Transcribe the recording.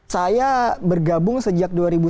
saya bergabung sejak dua ribu sepuluh